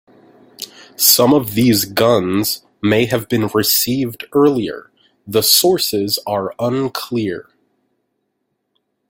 Some of these guns may have been received earlier, the sources are unclear.